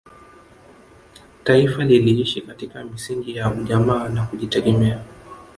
taifa liliishi katika misingi ya ujamaa na kujitegemea